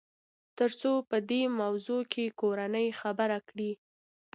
تر څو په دې موضوع يې کورنۍ خبره کړي.